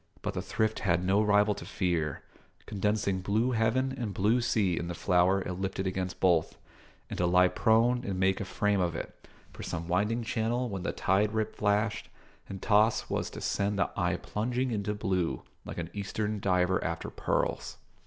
But the thrift had no rival to fear, condensing blue heaven and blue sea in the flower it lifted against both; and to lie prone and make a frame of it for some winding channel when the tide rip flashed and tossed was to send the eye plunging into blue like an Eastern diver after pearls.